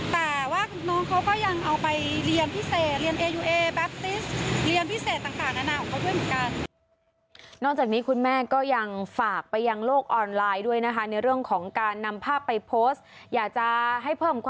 แต่ว่าน้องเขาก็ยังเอาไปเรียนพิเศษ